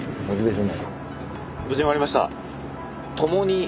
無事終わりました。